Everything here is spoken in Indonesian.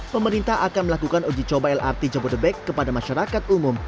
pemerintah akan melakukan uji coba lrt jabodebek kepada masyarakat umum